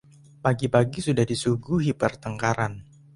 Pagi-pagi sudah disuguhi pertengkaran.